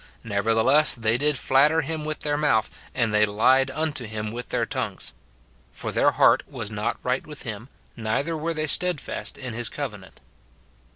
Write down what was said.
Nevertheless they did flatter him with their mouth, and they lied unto him with their tongues. For their heart was not right with him, neither were they steadfast in his covenant."